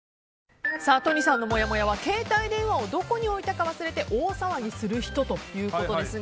都仁さんのもやもやは携帯電話をどこに置いたか忘れて大騒ぎする人ということですが。